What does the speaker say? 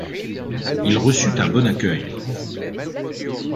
Il reçut un bon accueil.